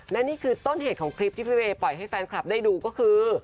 และนี่คือต้นเหตุของคลิปที่พี่เวย์ปล่อยให้แฟนคลับได้ดูก็คือ